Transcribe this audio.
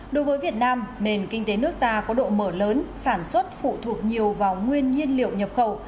đối với việt nam nền kinh tế nước ta có độ mở lớn sản xuất phụ thuộc nhiều vào nguyên nhiên liệu nhập khẩu